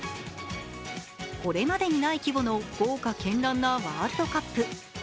これまでにない規模の豪華けんらんなワールドカップ。